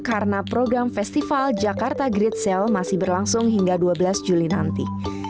karena program festival jakarta grid sale masih berlangsung hingga dua belas juli nanti